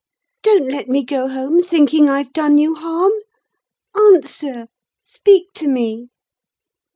Don't let me go home thinking I've done you harm. Answer! speak to me."